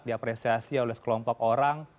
diapresiasi oleh sekelompok orang